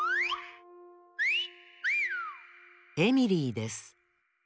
エミリーです。